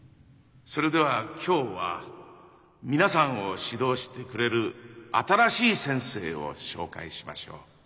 それでは今日は皆さんを指導してくれる新しい先生を紹介しましょう。